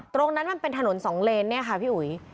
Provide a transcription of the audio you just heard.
ตรงนั้นมันเป็นถนนสองเลนเนี่ยค่ะพี่อุ๋ย